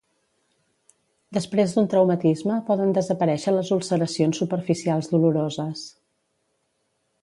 Després d'un traumatisme poden desaparèixer les ulceracions superficials doloroses.